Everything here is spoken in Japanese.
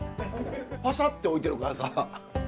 ファサって置いてるからさ。